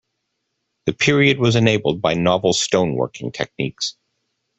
The period was enabled by novel stone working techniques.